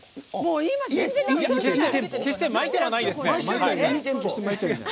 決して巻いてはないです。